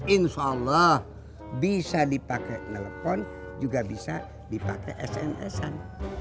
insya allah bisa dipakai telepon juga bisa dipakai sms an